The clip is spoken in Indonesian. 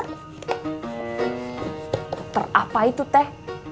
dokter apa itu teh